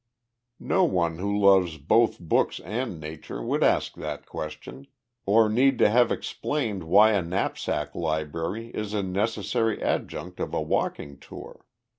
No one who loves both books and Nature would ask that question, or need to have explained why a knapsack library is a necessary adjunct of a walking tour.